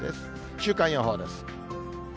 週間予報です。